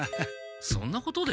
そんなことで？